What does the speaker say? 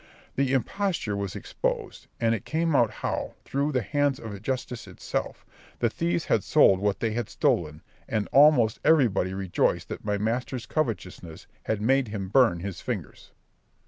The imposture was exposed; and it came out how, through the hands of justice itself, the thieves had sold what they had stolen; and almost everybody rejoiced that my master's covetousness had made him burn his fingers.